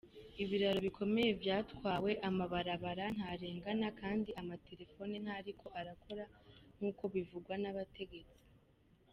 Ibiraro bikomeye vyatwawe, amabarabara ntarengana kandi amatelefone ntariko arakora, nk’uko bivugwa n’abategetsi.